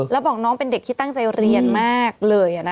แล้วบอกน้องเป็นเด็กที่ตั้งใจเรียนมากเลย